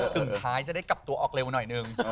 กึ่งท้ายจะได้กลับตัวออกเร็วหน่อยหนึ่ง